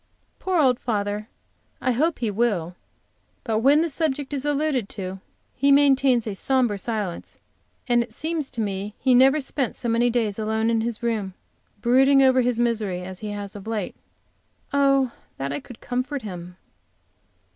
Poor old father I hope he will, but when the subject is alluded to he maintains a sombre silence, and it seems to me he never spent so many days alone in his room, brooding over his misery, as he has of late. Oh, that I could comfort him.